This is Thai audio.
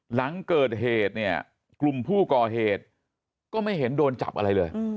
หลังเกิดเหตุเนี่ยกลุ่มผู้ก่อเหตุก็ไม่เห็นโดนจับอะไรเลย